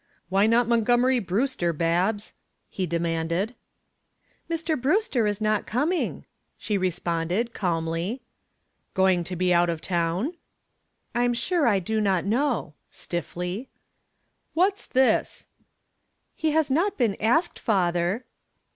"Why not Monty Brewster, Babs?" he demanded. "Mr. Brewster is not coming," she responded, calmly. "Going to be out of town?" "I'm sure I do not know," stiffly. "What's this?" "He has not been asked, father."